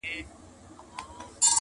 • چي خالق د لمر او مځکي او اسمان -